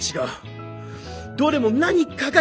どれも何かが違う！